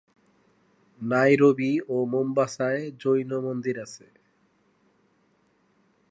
Nairobi ও মোম্বাসায় জৈন মন্দির আছে।